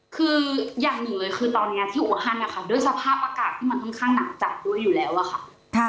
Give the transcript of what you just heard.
คืออย่างหนึ่งเลยคือตอนนี้ที่โอฮั่นนะคะที่มันค่อนข้างหนักจัดด้วยอยู่แล้วอะค่ะ